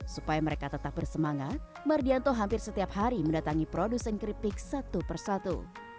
supaya mereka tetap bersemangat mardianto hampir setiap hari mendatangi produsen keripik satu persatu